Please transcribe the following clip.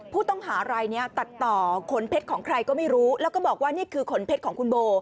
ผู้ต้องหารายนี้ตัดต่อขนเพชรของใครก็ไม่รู้แล้วก็บอกว่านี่คือขนเพชรของคุณโบ